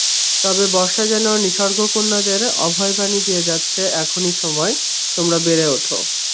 তবে বর্ষা যেন নিসর্গ কন্যাদের অভয়বাণী দিয়ে যাচ্ছে-এখনই সময়, তোমরা বেড়ে ওঠো।